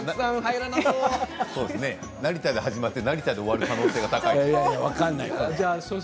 成田で始まって成田で終わる可能性が高い。